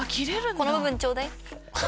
この部分ちょうだい。